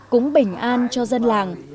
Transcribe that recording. cúng bình an cho dân làng